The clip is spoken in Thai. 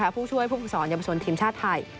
ผู้ช่วยผู้ผุกสอนยำชนทีมชาติไทย